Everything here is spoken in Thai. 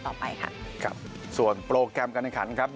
ต่อไปค่ะครับส่วนโปรแกรมการแข่งขันครับ